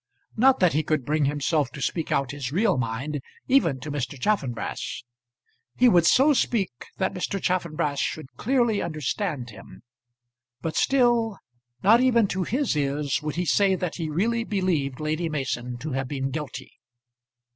Not that he could bring himself to speak out his real mind, even to Mr. Chaffanbrass. He would so speak that Mr. Chaffanbrass should clearly understand him; but still, not even to his ears, would he say that he really believed Lady Mason to have been guilty.